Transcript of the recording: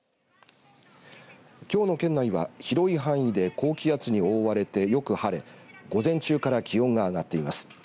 きょうの県内は広い範囲で高気圧に覆われてよく晴れ、午前中から気温が上がっています。